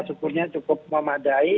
ukurnya cukup memadai